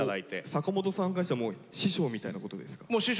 坂本さんからしたらもう師匠みたいなことですか？